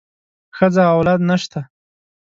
ښځه او اولاد نشته.